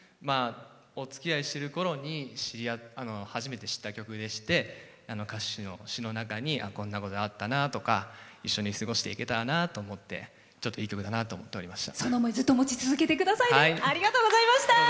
おつきあいしてるころに初めて知った曲でして歌詞の詞の中にこんなことあったなとか一緒に過ごしていけたらなと思っていい曲だなと思っていました。